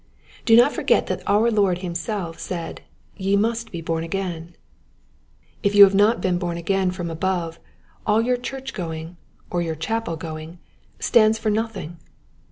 Do not forget that our Lord himself said, " Ye must be born again'' If you have not been bom again from above, all your church going, or your chapel going, stands for nothing.